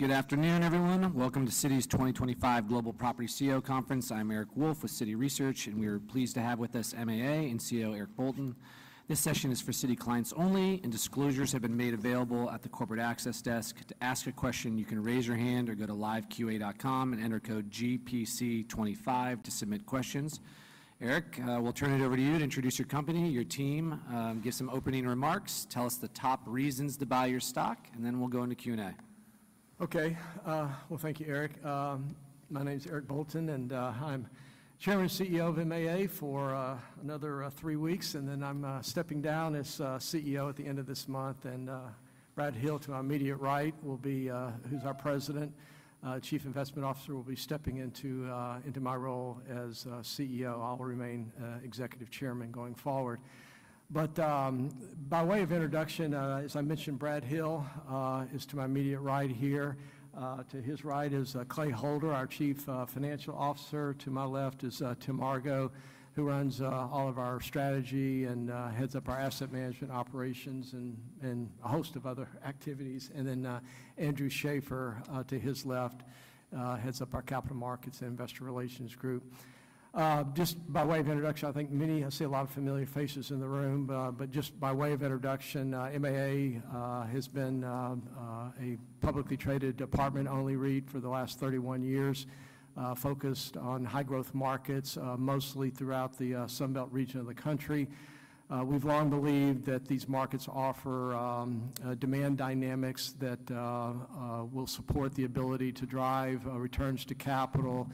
All right. Good afternoon, everyone. Welcome to Citi's 2025 Global Property CEO Conference. I'm Eric Wolfe for Citi Research, and we are pleased to have with us MAA and CEO Eric Bolton. This session is for Citi clients only, and disclosures have been made available at the corporate access desk. To ask a question, you can raise your hand or go to liveqa.com and enter code GPC25 to submit questions. Eric, we'll turn it over to you to introduce your company, your team, give some opening remarks, tell us the top reasons to buy your stock, and then we'll go into Q&A. Okay, well, thank you, Eric. My name's Eric Bolton, and I'm Chairman and CEO of MAA for another three weeks, and then I'm stepping down as CEO at the end of this month, and Brad Hill, to my immediate right, will be—who's our president, Chief Investment Officer—stepping into my role as CEO. I'll remain Executive Chairman going forward, but by way of introduction, as I mentioned, Brad Hill is to my immediate right here. To his right is Clay Holder, our Chief Financial Officer. To my left is Tim Argo, who runs all of our strategy and heads up our asset management operations and a host of other activities, and then Andrew Schaeffer, to his left, heads up our capital markets and investor relations group. Just by way of introduction, I think many see a lot of familiar faces in the room, but just by way of introduction, MAA has been a publicly traded apartment-only REIT for the last 31 years, focused on high-growth markets mostly throughout the Sunbelt region of the country. We've long believed that these markets offer demand dynamics that will support the ability to drive returns to capital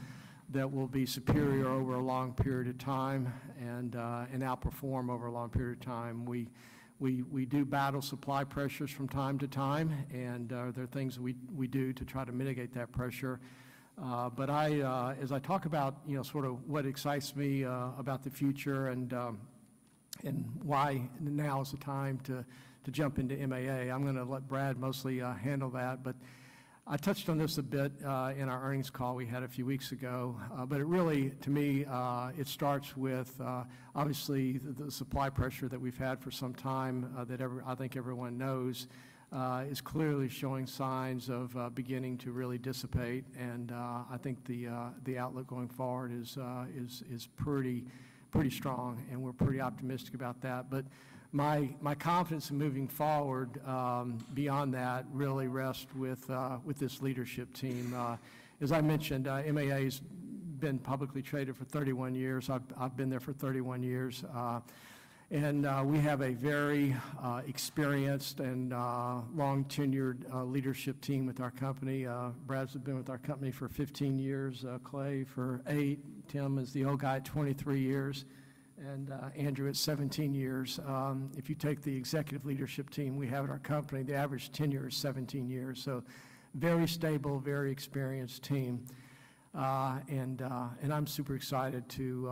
that will be superior over a long period of time and outperform over a long period of time. We do battle supply pressures from time to time, and there are things we do to try to mitigate that pressure. But as I talk about sort of what excites me about the future and why now is the time to jump into MAA, I'm going to let Brad mostly handle that. But I touched on this a bit in our earnings call we had a few weeks ago, but it really, to me, it starts with obviously the supply pressure that we've had for some time that I think everyone knows is clearly showing signs of beginning to really dissipate. And I think the outlook going forward is pretty strong, and we're pretty optimistic about that. But my confidence in moving forward beyond that really rests with this leadership team. As I mentioned, MAA has been publicly traded for 31 years. I've been there for 31 years. And we have a very experienced and long-tenured leadership team with our company. Brad's been with our company for 15 years, Clay for eight, Tim is the old guy, 23 years, and Andrew at 17 years. If you take the executive leadership team we have at our company, the average tenure is 17 years. Very stable, very experienced team. I'm super excited to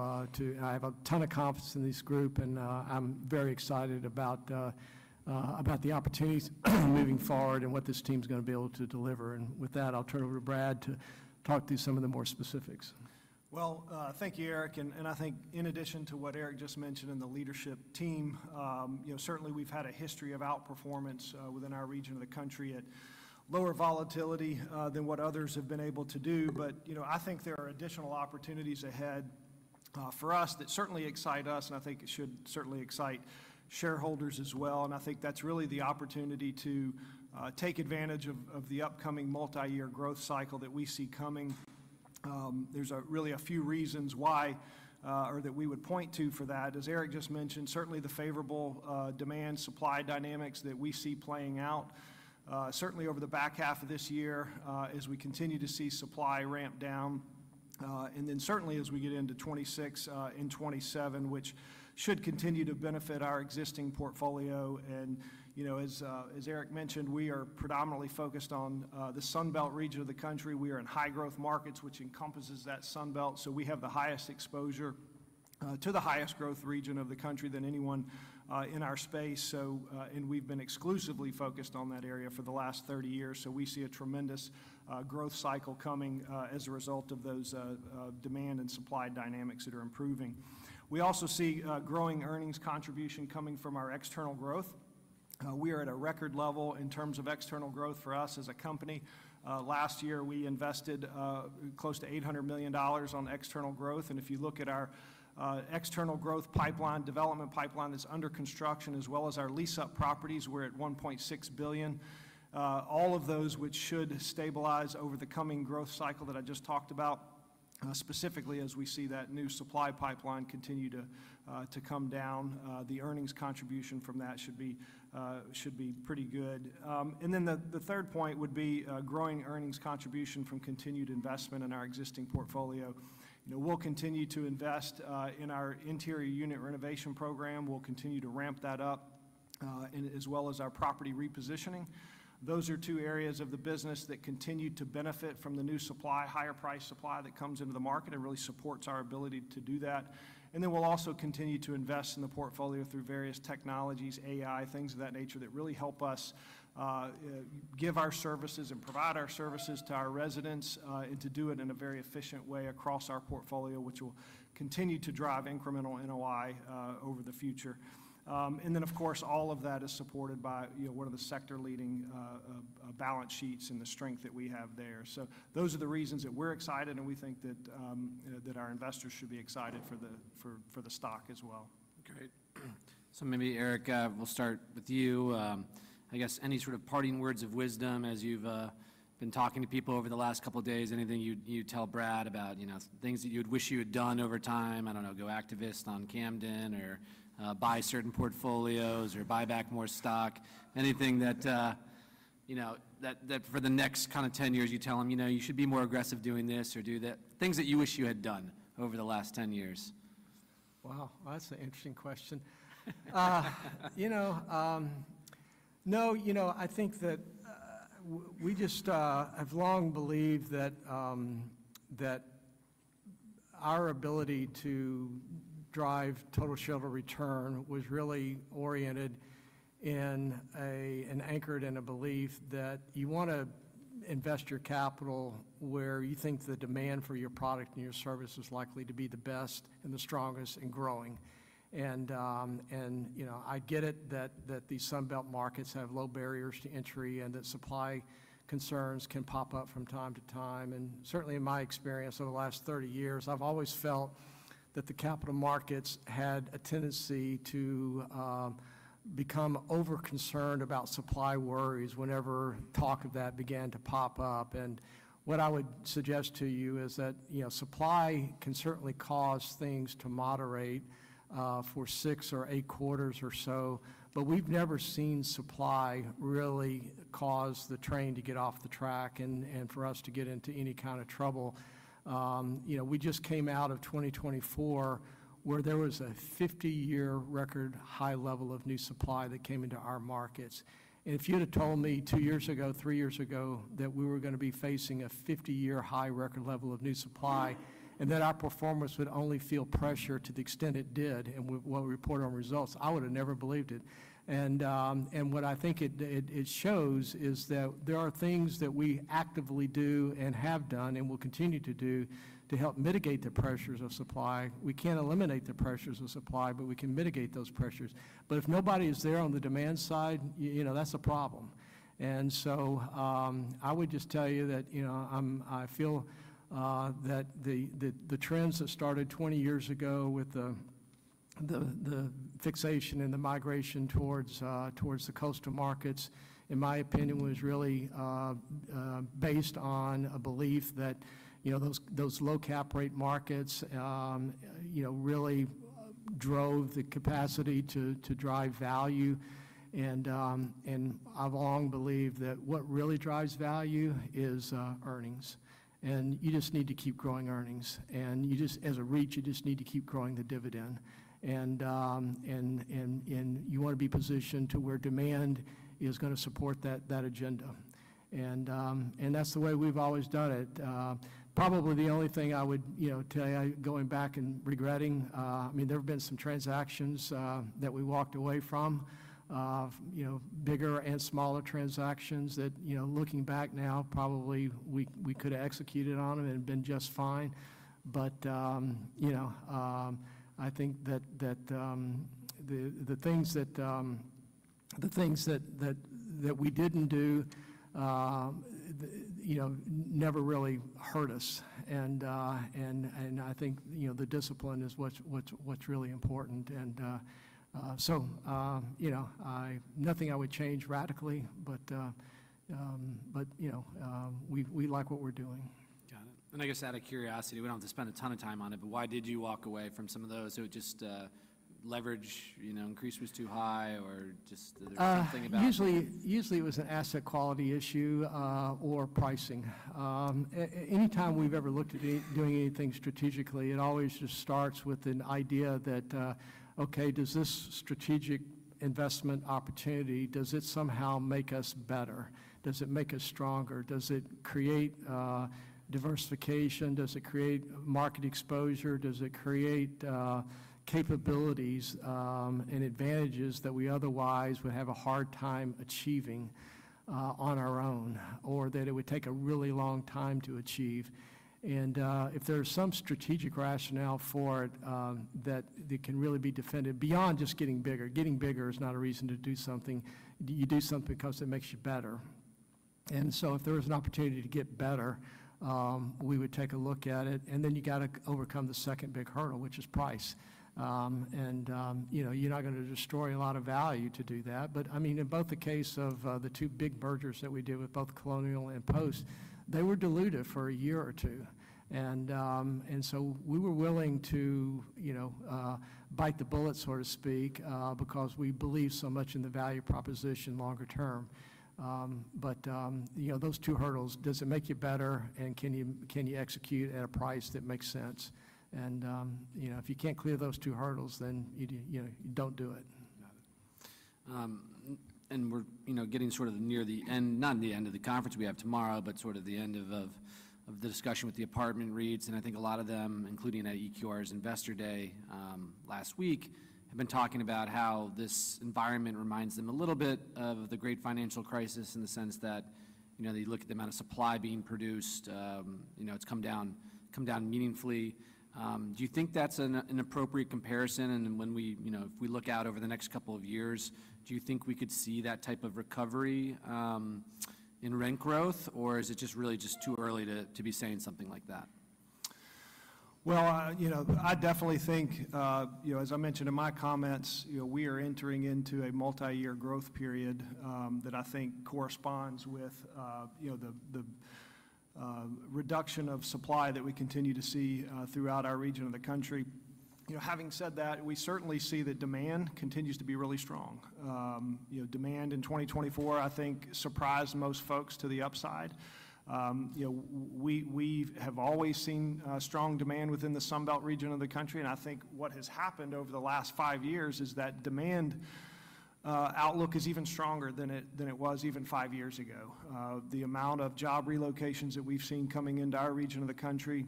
have a ton of confidence in this group, and I'm very excited about the opportunities moving forward and what this team's going to be able to deliver. With that, I'll turn it over to Brad to talk through some of the more specifics. Thank you, Eric. And I think in addition to what Eric just mentioned in the leadership team, certainly we've had a history of outperformance within our region of the country at lower volatility than what others have been able to do. But I think there are additional opportunities ahead for us that certainly excite us, and I think it should certainly excite shareholders as well. And I think that's really the opportunity to take advantage of the upcoming multi-year growth cycle that we see coming. There's really a few reasons why or that we would point to for that. As Eric just mentioned, certainly the favorable demand-supply dynamics that we see playing out, certainly over the back half of this year as we continue to see supply ramp down, and then certainly as we get into 2026 and 2027, which should continue to benefit our existing portfolio. As Eric mentioned, we are predominantly focused on the Sunbelt region of the country. We are in high-growth markets, which encompasses that Sunbelt. We have the highest exposure to the highest growth region of the country than anyone in our space. We've been exclusively focused on that area for the last 30 years. We see a tremendous growth cycle coming as a result of those demand and supply dynamics that are improving. We also see growing earnings contribution coming from our external growth. We are at a record level in terms of external growth for us as a company. Last year, we invested close to $800 million on external growth. If you look at our external growth pipeline, development pipeline that's under construction, as well as our lease-up properties, we're at $1.6 billion. All of those which should stabilize over the coming growth cycle that I just talked about, specifically as we see that new supply pipeline continue to come down, the earnings contribution from that should be pretty good. And then the third point would be growing earnings contribution from continued investment in our existing portfolio. We'll continue to invest in our interior unit renovation program. We'll continue to ramp that up, as well as our property repositioning. Those are two areas of the business that continue to benefit from the new supply, higher price supply that comes into the market and really supports our ability to do that. And then we'll also continue to invest in the portfolio through various technologies, AI, things of that nature that really help us give our services and provide our services to our residents and to do it in a very efficient way across our portfolio, which will continue to drive incremental NOI over the future. And then, of course, all of that is supported by one of the sector-leading balance sheets and the strength that we have there. So those are the reasons that we're excited, and we think that our investors should be excited for the stock as well. Great. So maybe, Eric, we'll start with you. I guess any sort of parting words of wisdom as you've been talking to people over the last couple of days, anything you'd tell Brad about things that you'd wish you had done over time? I don't know, go activist on Camden or buy certain portfolios or buy back more stock. Anything that for the next kind of 10 years you'd tell him, you should be more aggressive doing this or do that? Things that you wish you had done over the last 10 years. Wow. That's an interesting question. You know, no, you know I think that we just have long believed that our ability to drive total shareholder return was really oriented and anchored in a belief that you want to invest your capital where you think the demand for your product and your service is likely to be the best and the strongest and growing. And I get it that these Sunbelt markets have low barriers to entry and that supply concerns can pop up from time to time. And certainly in my experience over the last 30 years, I've always felt that the capital markets had a tendency to become over-concerned about supply worries whenever talk of that began to pop up. What I would suggest to you is that supply can certainly cause things to moderate for six or eight quarters or so, but we've never seen supply really cause the train to get off the track and for us to get into any kind of trouble. We just came out of 2024 where there was a 50-year record-high level of new supply that came into our markets. If you had told me two years ago, three years ago that we were going to be facing a 50-year high record level of new supply and that our performance would only feel pressure to the extent it did and what we report on results, I would have never believed it. What I think it shows is that there are things that we actively do and have done and will continue to do to help mitigate the pressures of supply. We can't eliminate the pressures of supply, but we can mitigate those pressures. If nobody is there on the demand side, that's a problem. I would just tell you that I feel that the trends that started 20 years ago with the fixation and the migration towards the coastal markets, in my opinion, was really based on a belief that those low cap rate markets really drove the capacity to drive value. I've long believed that what really drives value is earnings. You just need to keep growing earnings. As a REIT, you just need to keep growing the dividend. You want to be positioned to where demand is going to support that agenda. That's the way we've always done it. Probably the only thing I would tell you, going back and regretting, I mean, there have been some transactions that we walked away from, bigger and smaller transactions that looking back now, probably we could have executed on them and been just fine. But I think that the things that we didn't do never really hurt us. I think the discipline is what's really important. Nothing I would change radically, but we like what we're doing. Got it, and I guess out of curiosity, we don't have to spend a ton of time on it, but why did you walk away from some of those? It would just leverage increase was too high or just something about. Usually it was an asset quality issue or pricing. Anytime we've ever looked at doing anything strategically, it always just starts with an idea that, okay, does this strategic investment opportunity, does it somehow make us better? Does it make us stronger? Does it create diversification? Does it create market exposure? Does it create capabilities and advantages that we otherwise would have a hard time achieving on our own or that it would take a really long time to achieve? And if there's some strategic rationale for it that it can really be defended beyond just getting bigger, getting bigger is not a reason to do something. You do something because it makes you better, and so if there was an opportunity to get better, we would take a look at it, and then you got to overcome the second big hurdle, which is price. You're not going to destroy a lot of value to do that. But I mean, in both the case of the two big mergers that we did with both Colonial and Post, they were diluted for a year or two. And so we were willing to bite the bullet, so to speak, because we believe so much in the value proposition longer term. But those two hurdles, does it make you better and can you execute at a price that makes sense? And if you can't clear those two hurdles, then you don't do it. Got it. And we're getting sort of near the end, not the end of the conference we have tomorrow, but sort of the end of the discussion with the apartment REITs. And I think a lot of them, including at EQR's Investor Day last week, have been talking about how this environment reminds them a little bit of the great financial crisis in the sense that they look at the amount of supply being produced. It's come down meaningfully. Do you think that's an appropriate comparison? And if we look out over the next couple of years, do you think we could see that type of recovery in rent growth, or is it just really too early to be saying something like that? I definitely think, as I mentioned in my comments, we are entering into a multi-year growth period that I think corresponds with the reduction of supply that we continue to see throughout our region of the country. Having said that, we certainly see that demand continues to be really strong. Demand in 2024, I think, surprised most folks to the upside. We have always seen strong demand within the Sunbelt region of the country. And I think what has happened over the last five years is that demand outlook is even stronger than it was even five years ago. The amount of job relocations that we've seen coming into our region of the country,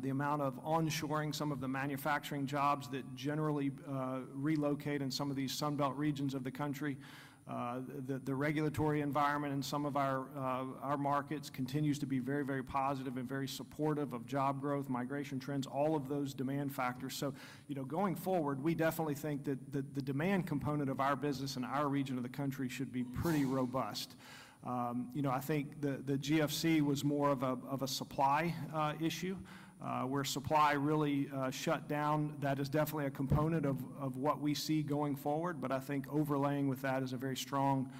the amount of onshoring some of the manufacturing jobs that generally relocate in some of these Sunbelt regions of the country, the regulatory environment in some of our markets continues to be very, very positive and very supportive of job growth, migration trends, all of those demand factors. So going forward, we definitely think that the demand component of our business and our region of the country should be pretty robust. I think the GFC was more of a supply issue where supply really shut down. That is definitely a component of what we see going forward. But I think overlaying with that is a very strong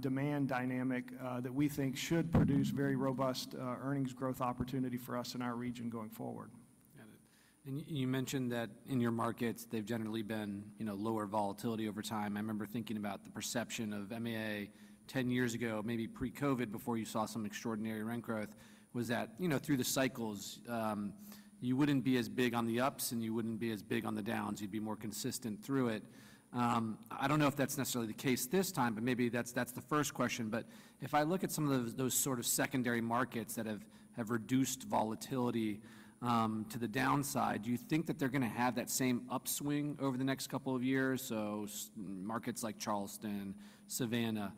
demand dynamic that we think should produce very robust earnings growth opportunity for us in our region going forward. Got it, and you mentioned that in your markets, they've generally been lower volatility over time. I remember thinking about the perception of MAA 10 years ago, maybe pre-COVID, before you saw some extraordinary rent growth. Was that through the cycles, you wouldn't be as big on the ups and you wouldn't be as big on the downs. You'd be more consistent through it. I don't know if that's necessarily the case this time, but maybe that's the first question, but if I look at some of those sort of secondary markets that have reduced volatility to the downside, do you think that they're going to have that same upswing over the next couple of years, so markets like Charleston, Savannah,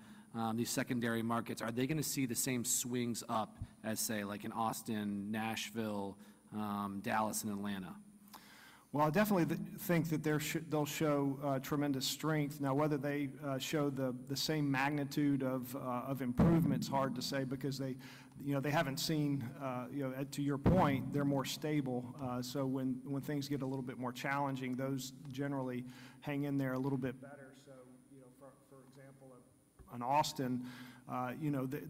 these secondary markets, are they going to see the same swings up as, say, like in Austin, Nashville, Dallas, and Atlanta? I definitely think that they'll show tremendous strength. Now, whether they show the same magnitude of improvement is hard to say because they haven't seen, to your point, they're more stable. So when things get a little bit more challenging, those generally hang in there a little bit better. So for example, in Austin,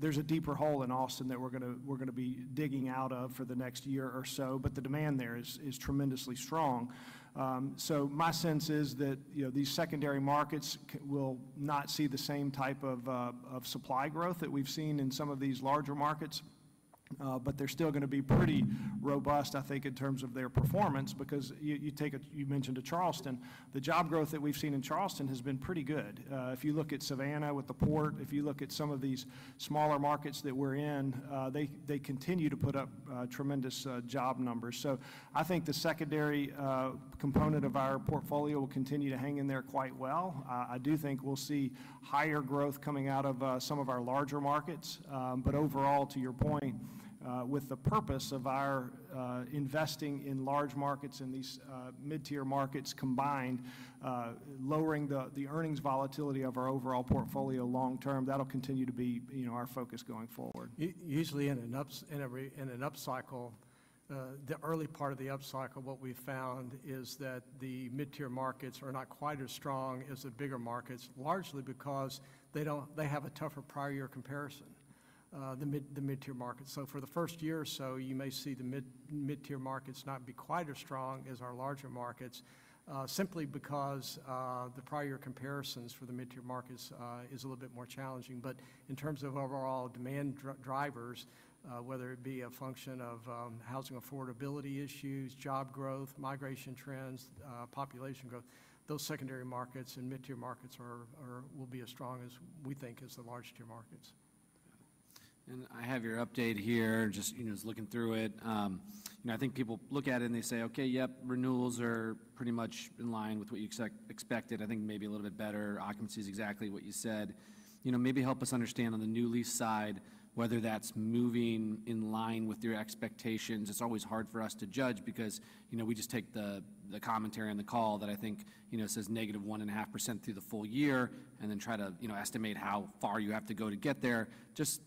there's a deeper hole in Austin that we're going to be digging out of for the next year or so, but the demand there is tremendously strong. So my sense is that these secondary markets will not see the same type of supply growth that we've seen in some of these larger markets, but they're still going to be pretty robust, I think, in terms of their performance because you mentioned Charleston. The job growth that we've seen in Charleston has been pretty good. If you look at Savannah with the port, if you look at some of these smaller markets that we're in, they continue to put up tremendous job numbers. So I think the secondary component of our portfolio will continue to hang in there quite well. I do think we'll see higher growth coming out of some of our larger markets. But overall, to your point, with the purpose of our investing in large markets and these mid-tier markets combined, lowering the earnings volatility of our overall portfolio long term, that'll continue to be our focus going forward. Usually in an upcycle, the early part of the upcycle, what we found is that the mid-tier markets are not quite as strong as the bigger markets, largely because they have a tougher prior year comparison, the mid-tier markets. So for the first year or so, you may see the mid-tier markets not be quite as strong as our larger markets, simply because the prior year comparisons for the mid-tier markets is a little bit more challenging. But in terms of overall demand drivers, whether it be a function of housing affordability issues, job growth, migration trends, population growth, those secondary markets and mid-tier markets will be as strong as we think as the large-tier markets. I have your update here, just looking through it. I think people look at it and they say, okay, yep, renewals are pretty much in line with what you expected. I think maybe a little bit better. I can see exactly what you said. Maybe help us understand on the new lease side, whether that's moving in line with your expectations. It's always hard for us to judge because we just take the commentary on the call that I think it says -1.5% through the full year and then try to estimate how far you have to go to get there. Just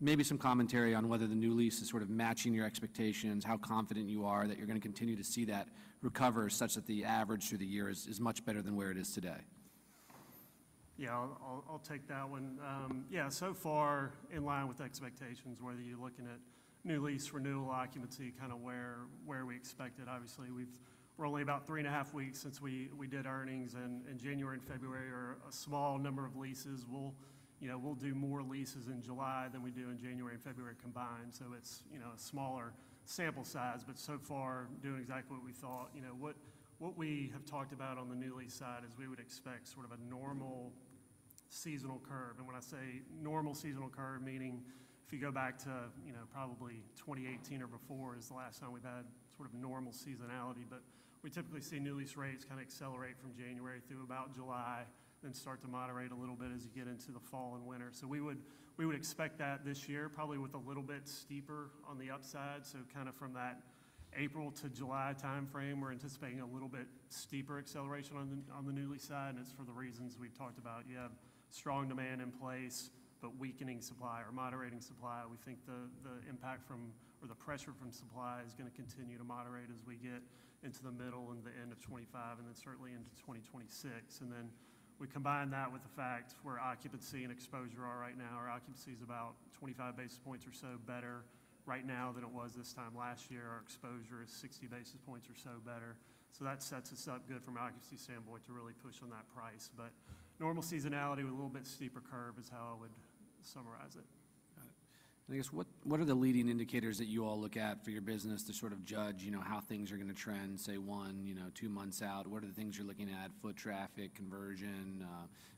maybe some commentary on whether the new lease is sort of matching your expectations, how confident you are that you're going to continue to see that recover such that the average through the year is much better than where it is today. Yeah, I'll take that one. Yeah, so far in line with expectations, whether you're looking at new lease, renewal occupancy, kind of where we expect it. Obviously, we're only about 3.5 weeks since we did earnings in January and February. A small number of leases. We'll do more leases in July than we do in January and February combined. So it's a smaller sample size, but so far doing exactly what we thought. What we have talked about on the new lease side is we would expect sort of a normal seasonal curve, and when I say normal seasonal curve, meaning if you go back to probably 2018 or before is the last time we've had sort of normal seasonality. But we typically see new lease rates kind of accelerate from January through about July, then start to moderate a little bit as you get into the fall and winter. So we would expect that this year, probably with a little bit steeper on the upside. So kind of from that April-July timeframe, we're anticipating a little bit steeper acceleration on the new lease side. And it's for the reasons we've talked about. You have strong demand in place, but weakening supply or moderating supply. We think the impact from or the pressure from supply is going to continue to moderate as we get into the middle and the end of 2025 and then certainly into 2026. And then we combine that with the fact where occupancy and exposure are right now. Our occupancy is about 25 basis points or so better right now than it was this time last year. Our exposure is 60 basis points or so better. So that sets us up good from an occupancy standpoint to really push on that price. But normal seasonality with a little bit steeper curve is how I would summarize it. Got it. And I guess what are the leading indicators that you all look at for your business to sort of judge how things are going to trend, say, one, two months out? What are the things you're looking at? Foot traffic, conversion,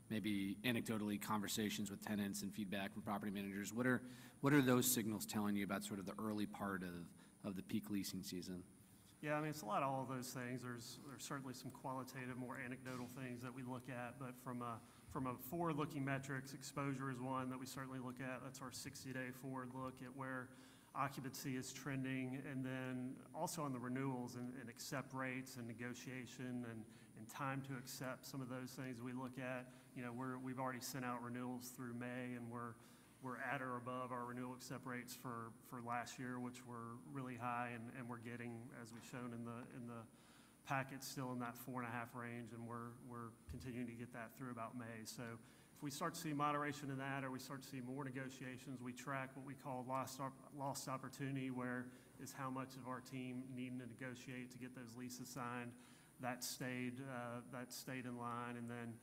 maybe anecdotally conversations with tenants and feedback from property managers. What are those signals telling you about sort of the early part of the peak leasing season? Yeah, I mean, it's a lot of all those things. There's certainly some qualitative, more anecdotal things that we look at. But from a forward-looking metrics, exposure is one that we certainly look at. That's our 60-day forward look at where occupancy is trending. And then also on the renewals and accept rates and negotiation and time to accept some of those things we look at. We've already sent out renewals through May and we're at or above our renewal accept rates for last year, which were really high. And we're getting, as we've shown in the packet, still in that 4.5% range. And we're continuing to get that through about May. So if we start to see moderation in that or we start to see more negotiations, we track what we call lost opportunity, where is how much of our team needing to negotiate to get those leases signed. That stayed in line. And then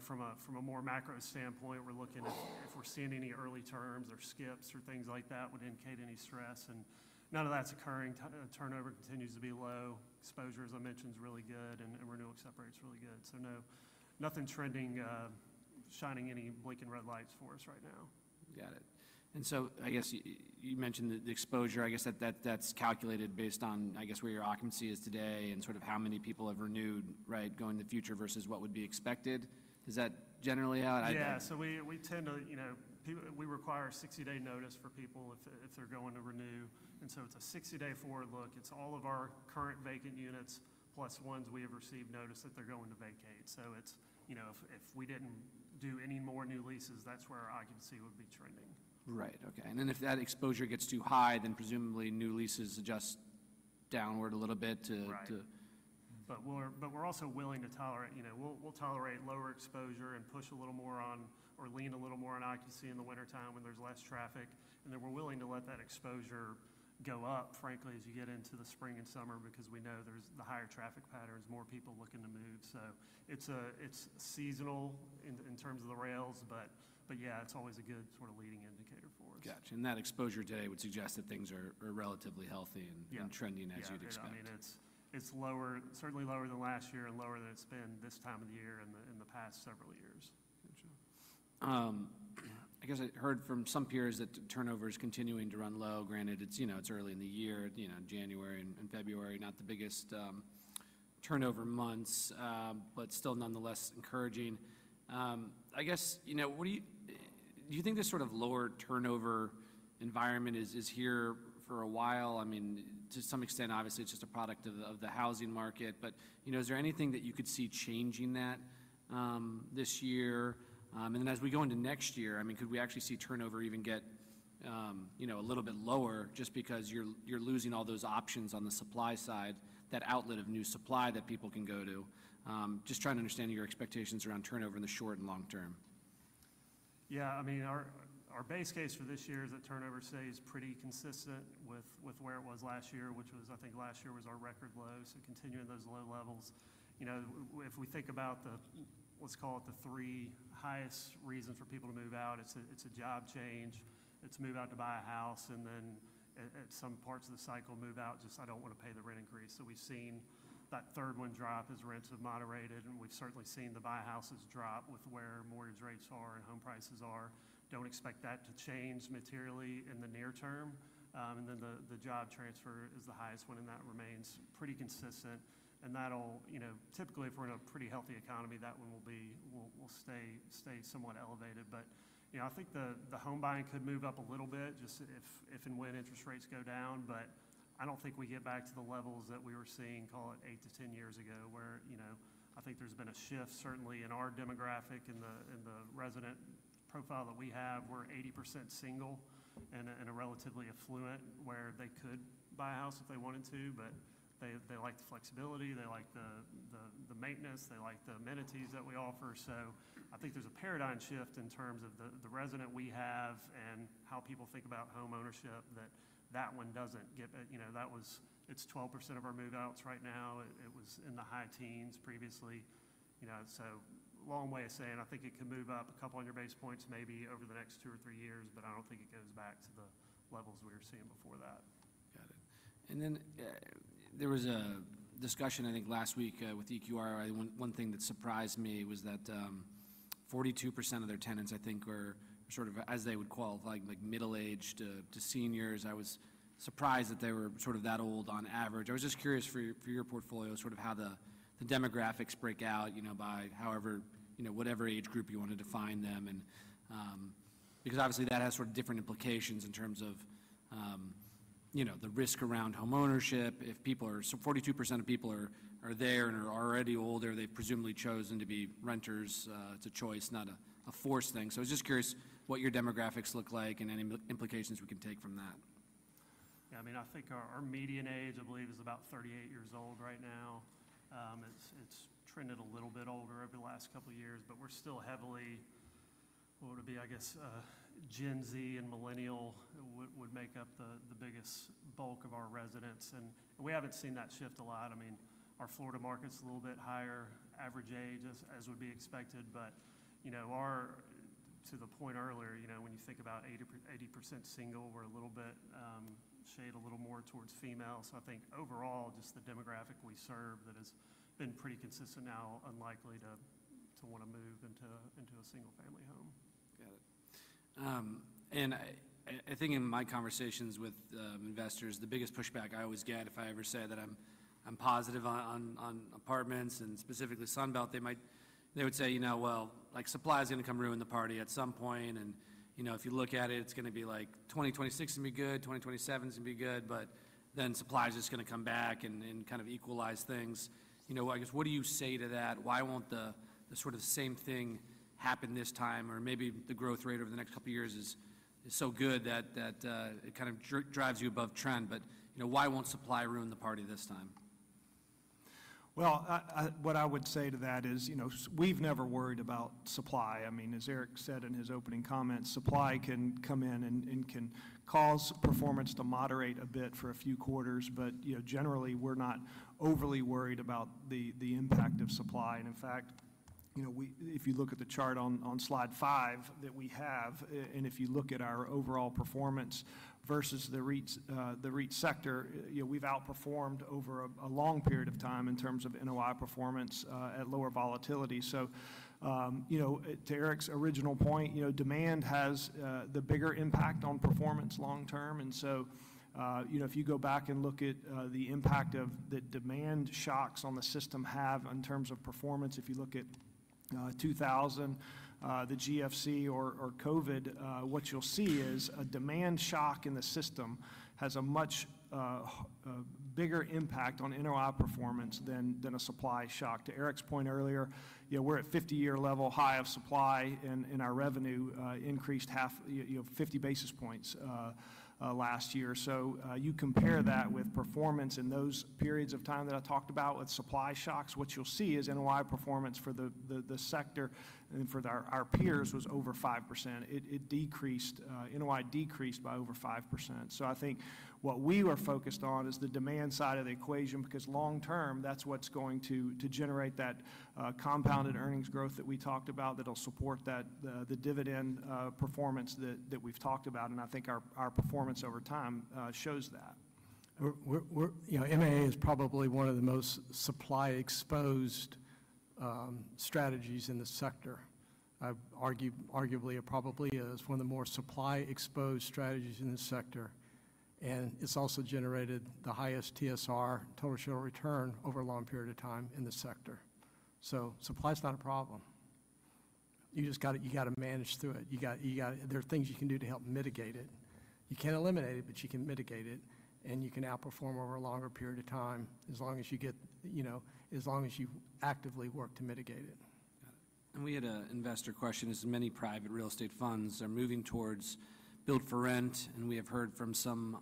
from a more macro standpoint, we're looking at if we're seeing any early terms or skips or things like that would indicate any stress. And none of that's occurring. Turnover continues to be low. Exposure, as I mentioned, is really good and renewal accept rate's really good. So nothing trending, shining any blinking red lights for us right now. Got it. And so I guess you mentioned the exposure. I guess that's calculated based on, I guess, where your occupancy is today and sort of how many people have renewed, right, going in the future versus what would be expected. Is that generally out? Yeah. So we tend to, we require a 60-day notice for people if they're going to renew. And so it's a 60-day forward look. It's all of our current vacant units plus ones we have received notice that they're going to vacate. So if we didn't do any more new leases, that's where our occupancy would be trending. Right. Okay. And then if that exposure gets too high, then presumably new leases adjust downward a little bit to. Right, but we're also willing to tolerate, we'll tolerate lower exposure and push a little more on or lean a little more on occupancy in the wintertime when there's less traffic, and then we're willing to let that exposure go up, frankly, as you get into the spring and summer because we know there's the higher traffic patterns, more people looking to move, so it's seasonal in terms of the rails, but yeah, it's always a good sort of leading indicator for us. Gotcha. And that exposure today would suggest that things are relatively healthy and trending as you'd expect. Yeah. I mean, it's lower, certainly lower than last year and lower than it's been this time of the year and the past several years. Gotcha. I guess I heard from some peers that turnover is continuing to run low. Granted, it's early in the year, January and February, not the biggest turnover months, but still nonetheless encouraging. I guess, do you think this sort of lower turnover environment is here for a while? I mean, to some extent, obviously, it's just a product of the housing market. But is there anything that you could see changing that this year? And then as we go into next year, I mean, could we actually see turnover even get a little bit lower just because you're losing all those options on the supply side, that outlet of new supply that people can go to? Just trying to understand your expectations around turnover in the short and long term? Yeah. I mean, our base case for this year is that turnover, say, is pretty consistent with where it was last year, which was, I think, last year was our record low, so continuing those low levels. If we think about the, let's call it the three highest reasons for people to move out, it's a job change. It's move out to buy a house and then at some parts of the cycle move out just, I don't want to pay the rent increase, so we've seen that third one drop as rents have moderated, and we've certainly seen the buy houses drop with where mortgage rates are and home prices are. Don't expect that to change materially in the near term, and then the job transfer is the highest one and that remains pretty consistent. And that'll typically, if we're in a pretty healthy economy, that one will stay somewhat elevated. But I think the home buying could move up a little bit just if and when interest rates go down. But I don't think we get back to the levels that we were seeing, call it 8-10 years ago, where I think there's been a shift certainly in our demographic and the resident profile that we have. We're 80% single and a relatively affluent where they could buy a house if they wanted to, but they like the flexibility, they like the maintenance, they like the amenities that we offer. So I think there's a paradigm shift in terms of the resident we have and how people think about homeownership that that one doesn't get. That was. It's 12% of our move-outs right now. It was in the high teens previously. So, long way of saying, I think it could move up a couple hundred basis points maybe over the next two or three years, but I don't think it goes back to the levels we were seeing before that. Got it. And then there was a discussion, I think last week with EQR. One thing that surprised me was that 42% of their tenants, I think, were sort of, as they would qualify, like middle-aged to seniors. I was surprised that they were sort of that old on average. I was just curious for your portfolio sort of how the demographics break out by whatever age group you wanted to find them. And because obviously that has sort of different implications in terms of the risk around homeownership. If people are, so 42% of people are there and are already older, they've presumably chosen to be renters. It's a choice, not a forced thing. So I was just curious what your demographics look like and any implications we can take from that. Yeah. I mean, I think our median age, I believe, is about 38 years old right now. It's trended a little bit older over the last couple of years, but we're still heavily, what would be, I guess, Gen Z and millennial would make up the biggest bulk of our residents. And we haven't seen that shift a lot. I mean, our Florida market's a little bit higher average age as would be expected. But to the point earlier, when you think about 80% single, we're a little bit shaded a little more towards female. So I think overall, just the demographic we serve that has been pretty consistent now, unlikely to want to move into a single-family home. Got it. And I think in my conversations with investors, the biggest pushback I always get if I ever say that I'm positive on apartments and specifically Sunbelt, they would say, you know, well, like supply is going to come ruin the party at some point. And if you look at it, it's going to be like 2026 is going to be good, 2027 is going to be good, but then supply is just going to come back and kind of equalize things. I guess, what do you say to that? Why won't the sort of same thing happen this time? Or maybe the growth rate over the next couple of years is so good that it kind of drives you above trend. But why won't supply ruin the party this time? What I would say to that is we've never worried about supply. I mean, as Eric said in his opening comments, supply can come in and can cause performance to moderate a bit for a few quarters. But generally, we're not overly worried about the impact of supply. And in fact, if you look at the chart on slide five that we have, and if you look at our overall performance versus the REIT sector, we've outperformed over a long period of time in terms of NOI performance at lower volatility. So to Eric's original point, demand has the bigger impact on performance long term. And so if you go back and look at the impact that demand shocks on the system have in terms of performance, if you look at 2000, the GFC or COVID, what you'll see is a demand shock in the system has a much bigger impact on NOI performance than a supply shock. To Eric's point earlier, we're at 50-year level high of supply and our revenue increased half, 50 basis points last year. So you compare that with performance in those periods of time that I talked about with supply shocks, what you'll see is NOI performance for the sector and for our peers was over 5%. It decreased, NOI decreased by over 5%. I think what we were focused on is the demand side of the equation because long term, that's what's going to generate that compounded earnings growth that we talked about that'll support the dividend performance that we've talked about, and I think our performance over time shows that. MAA is probably one of the most supply-exposed strategies in the sector. Arguably, it probably is one of the more supply-exposed strategies in this sector. It's also generated the highest TSR, Total Shareholder Return, over a long period of time in the sector. Supply's not a problem. You just got to manage through it. There are things you can do to help mitigate it. You can't eliminate it, but you can mitigate it. You can outperform over a longer period of time as long as you actively work to mitigate it. Got it and we had an investor question. As many private real estate funds are moving towards build for rent and we have heard from some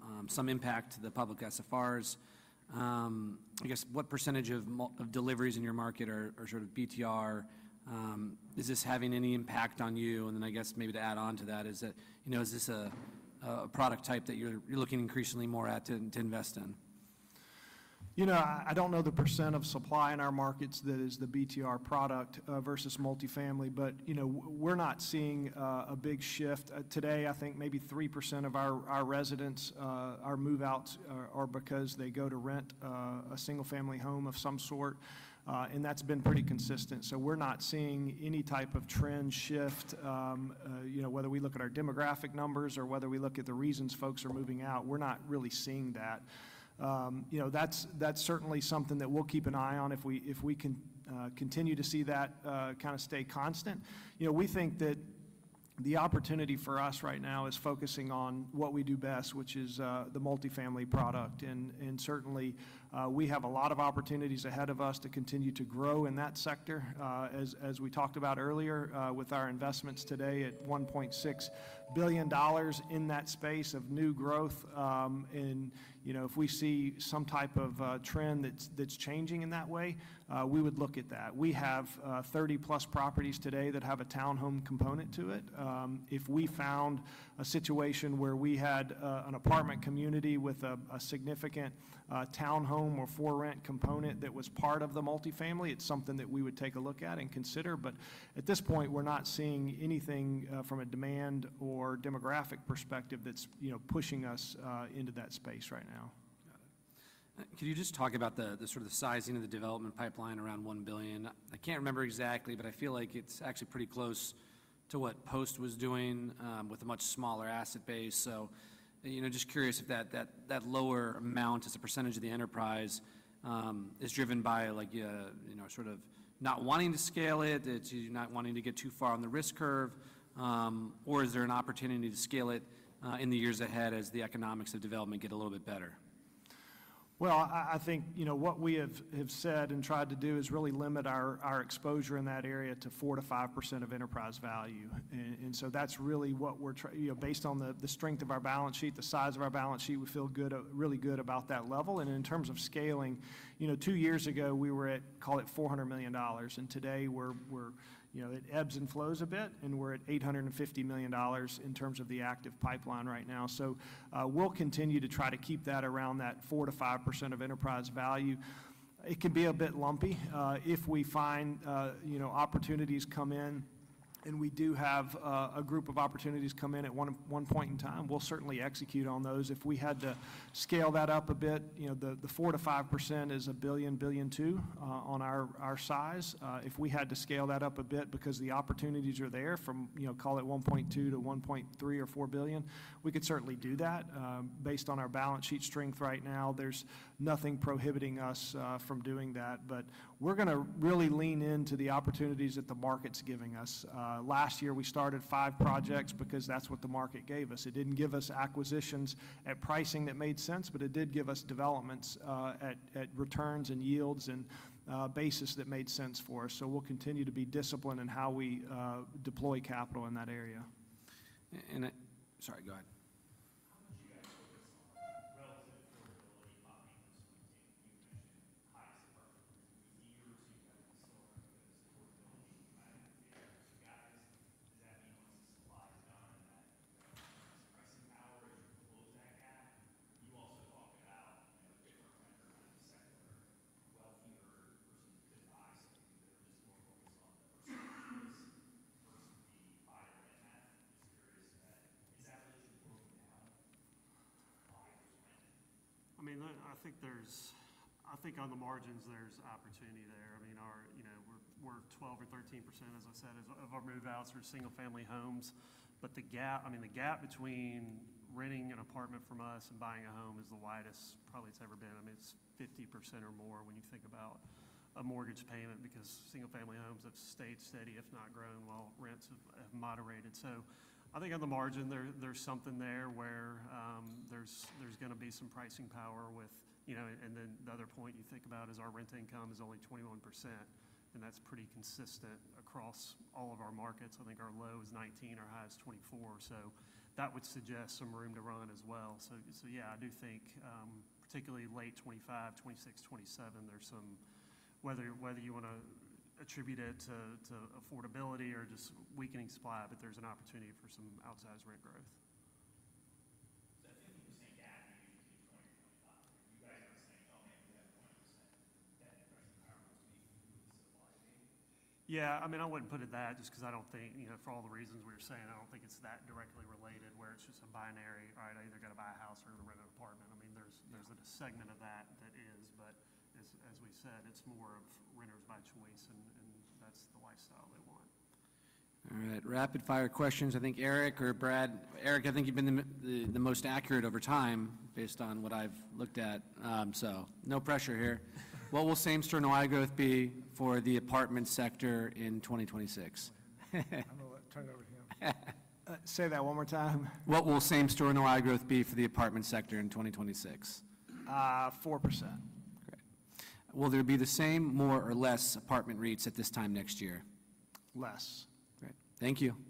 impact to the public SFRs. I guess what percentage of deliveries in your market are sort of BTR? Is this having any impact on you and then I guess maybe to add on to that, is this a product type that you're looking increasingly more at to invest in? You know, I don't know the percent of supply in our markets that is the BTR product versus multifamily, but we're not seeing a big shift. Today, I think maybe 3% of our residents, our move-outs are because they go to rent a single-family home of some sort, and that's been pretty consistent, so we're not seeing any type of trend shift. Whether we look at our demographic numbers or whether we look at the reasons folks are moving out, we're not really seeing that. That's certainly something that we'll keep an eye on if we can continue to see that kind of stay constant. We think that the opportunity for us right now is focusing on what we do best, which is the multifamily product, and certainly, we have a lot of opportunities ahead of us to continue to grow in that sector. As we talked about earlier with our investments today at $1.6 billion in that space of new growth, and if we see some type of trend that's changing in that way, we would look at that. We have 30+ properties today that have a townhome component to it. If we found a situation where we had an apartment community with a significant townhome or for-rent component that was part of the multifamily, it's something that we would take a look at and consider, but at this point, we're not seeing anything from a demand or demographic perspective that's pushing us into that space right now. Got it. Could you just talk about the sort of sizing of the development pipeline around $1 billion? I can't remember exactly, but I feel like it's actually pretty close to what Post was doing with a much smaller asset base. So just curious if that lower amount as a percentage of the enterprise is driven by sort of not wanting to scale it, not wanting to get too far on the risk curve, or is there an opportunity to scale it in the years ahead as the economics of development get a little bit better? I think what we have said and tried to do is really limit our exposure in that area to 4%-5% of enterprise value. So that's really what we're trying, based on the strength of our balance sheet, the size of our balance sheet. We feel really good about that level. In terms of scaling, two years ago, we were at, call it $400 million. Today, we're at ebbs and flows a bit, and we're at $850 million in terms of the active pipeline right now. We'll continue to try to keep that around that 4%-5% of enterprise value. It can be a bit lumpy. If we find opportunities come in and we do have a group of opportunities come in at one point in time, we'll certainly execute on those. If we had to scale that up a bit, the 4%-5% is $1 billion-$1.2 billion on our size. If we had to scale that up a bit because the opportunities are there from, call it $1.2 billion-$1.4 billion, we could certainly do that. Based on our balance sheet strength right now, there's nothing prohibiting us from doing that. But we're going to really lean into the opportunities that the market's giving us. Last year, we started five projects because that's what the market gave us. It didn't give us acquisitions at pricing that made sense, but it did give us developments at returns and yields and basis that made sense for us. So we'll continue to be disciplined in how we deploy capital in that area. Sorry, go ahead. How much with, and then the other point you think about is our rent income is only 21%, and that's pretty consistent across all of our markets. I think our low is 19%, our high is 24%. So that would suggest some room to run as well. Yeah, I do think particularly late 2025, 2026, 2027, there's some, whether you want to attribute it to affordability or just weakening supply, but there's an opportunity for some outsized rent growth. Is that 50% gap you need to keep going to 2025? You guys are saying, "Oh, maybe we have 20% debt and pricing power to be with the supply being. Yeah. I mean, I wouldn't put it that way just because I don't think, for all the reasons we were saying, I don't think it's that directly related where it's just a binary, right? I either got to buy a house or rent an apartment. I mean, there's a segment of that that is, but as we said, it's more of renters by choice and that's the lifestyle they want. All right. Rapid-fire questions. I think Eric or Brad, Eric, I think you've been the most accurate over time based on what I've looked at. So no pressure here. What will same-store NOI growth be for the apartment sector in 2026? I'm going to turn it over to him. Say that one more time. What will same-store turnover growth be for the apartment sector in 2026? 4%. Great. Will there be the same more or less apartment REITs at this time next year? Less. Great. Thank you.